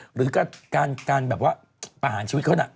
หรือการประหารชีวิตเขานะ